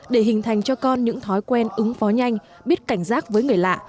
để hình thành cho con những thói quen ứng phó nhanh biết cảnh giác với người lạ